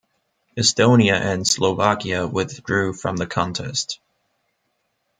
Estonia and Slovakia withdrew from the contest.